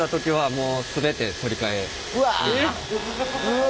うわ。